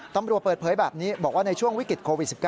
ตำรวจเปิดเผยแบบนี้บอกว่าในช่วงวิกฤตโควิด๑๙